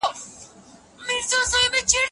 ما پرون د روغتیا په اړه یو کتاب ولوست.